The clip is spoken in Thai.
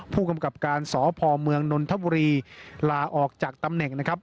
ผู้กำกับการสพเมืองนนทบุรีลาออกจากตำแหน่งนะครับ